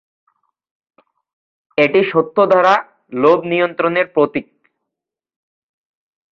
এটি সত্য দ্বারা লোভ নিয়ন্ত্রণের প্রতীক।